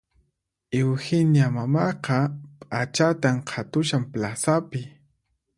Eugenia mamaqa p'achatan qhatushan plazapi